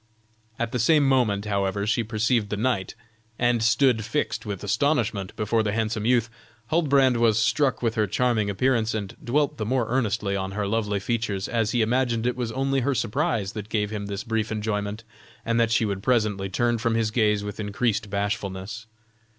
At the same moment, however, she perceived the knight, and stood fixed with astonishment before the handsome youth, Huldbrand was struck with her charming appearance, and dwelt the more earnestly on her lovely features, as he imagined it was only her surprise that gave him this brief enjoyment, and that she would presently turn from his gaze with increased bashfulness.